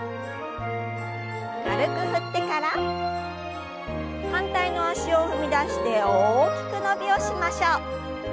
軽く振ってから反対の脚を踏み出して大きく伸びをしましょう。